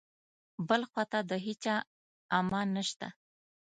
بل خواته د هیچا امان نشته.